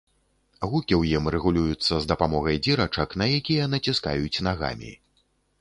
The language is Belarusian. Гукі ў ім рэгулююцца з дапамогай дзірачак, на якія націскаюць нагамі.